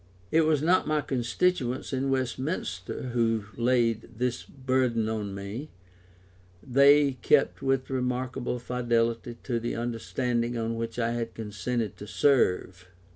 It was not my constituents in Westminster who laid this burthen on me: they kept with remarkable fidelity to the understanding on which I had consented to serve.